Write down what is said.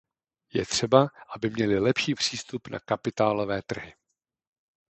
Je třeba, aby měly lepší přístup na kapitálové trhy.